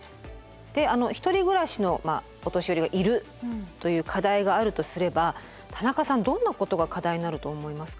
であの一人暮らしのお年寄りがいるという課題があるとすれば田中さんどんなことが課題になると思いますか？